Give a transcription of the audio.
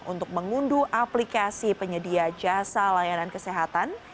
untuk mengunduh aplikasi penyedia jasa layanan kesehatan